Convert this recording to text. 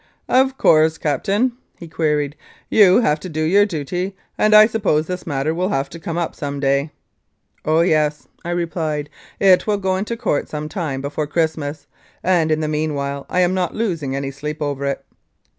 "Of course, Captain," he queried, "you have to do your duty, and I suppose this matter will have to come up some day ?" "Oh, yes," I replied, "it will go into Court some time before Christmas, and in the meanwhile I am not losing any sleep over it."